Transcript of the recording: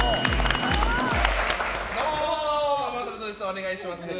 お願いします。